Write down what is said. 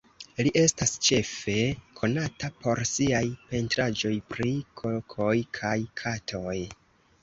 Li estas ĉefe konata por siaj pentraĵoj pri kokoj kaj katoj.